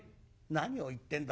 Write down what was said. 「何を言ってんだ。